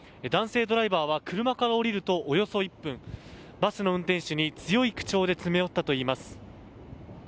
男性ドライバーは車から降りるとおよそ１分バスの運転手に強い口調で詰め寄ったといいます。